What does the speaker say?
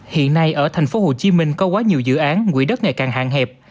hiện nay ở thành phố hồ chí minh có quá nhiều dự án quỹ đất ngày càng hạn hẹp